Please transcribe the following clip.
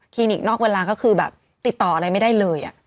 นิกนอกเวลาก็คือแบบติดต่ออะไรไม่ได้เลย